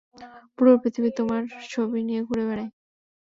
পুরো পৃথিবী তোমার ছবি নিয়ে ঘুরে বেড়াই।